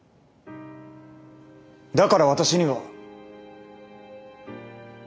だから私には。